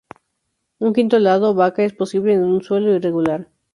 Un quinto lado, vaca, es posible en un suelo irregular.